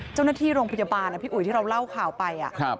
เจ้าหน้าที่โรงพยาบาลพี่อุ๋ยที่เราเล่าข่าวไป